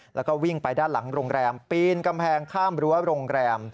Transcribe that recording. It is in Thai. แล้วก็วิ่งไปด้านหลังโรงแรมปีนกำแพงข้ามรั้วโรงแรม